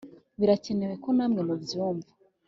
Birakenewe ko namwe mubyumva